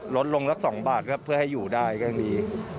ลดลงสัก๒บาทครับเพื่อให้อยู่ได้ก็ยังมี